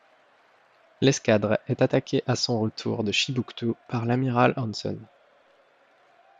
L'escadre est attaquée à son retour de Chibouctou par l'amiral Anson.